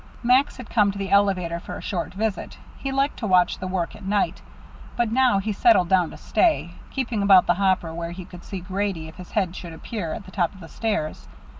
Max had come to the elevator for a short visit he liked to watch the work at night but now he settled down to stay, keeping about the hopper where he could see Grady if his head should appear at the top of the stairs.